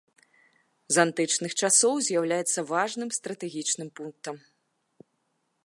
З антычных часоў з'яўляецца важным стратэгічным пунктам.